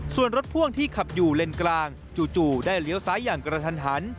ส่วนรถพ่วงที่ขับอยู่เลนกลางจู่ได้เลี้ยวซ้ายอย่างกระทันหัน